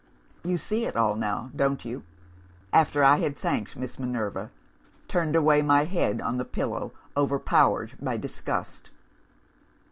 "You see it all now don't you? After I had thanked Miss Minerva, turned away my head on the pillow overpowered by disgust.